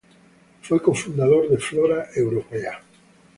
Fue cofundador de Flora Europaea.